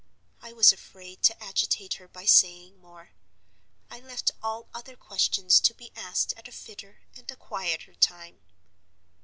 I was afraid to agitate her by saying more; I left all other questions to be asked at a fitter and a quieter time.